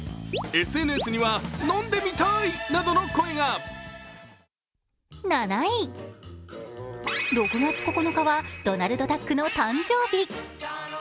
ＳＮＳには「飲んでみたい」などの声が７位、６月９日はドナルドダックの誕生日。